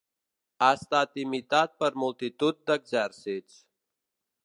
Ha estat imitat per multitud d'exèrcits.